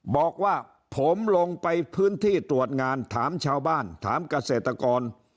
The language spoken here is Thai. บอกว่าผมลงไปพื้นที่ตรวจงานถามชาวบ้านถามเกษตรกร